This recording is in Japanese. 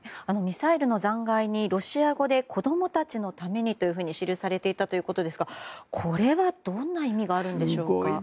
ミサイルの残骸にロシア語で子供たちのためにと記されていたということですがこれはどんな意味があるんでしょうか。